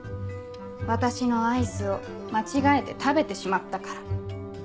私のアイスを間違えて食べてしまったから。